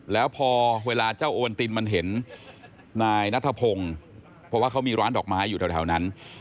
แล้วพอเวลาเจ้าโอนตินมันเห็นนายนัทพงศ์เพราะว่าเขามีร้านดอกไม้อยู่แถวนั้น